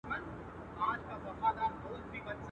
سو بېهوښه هغه دم يې زکندن سو.